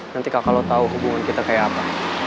nanti kakak lo tahu hubungan kita kayak apa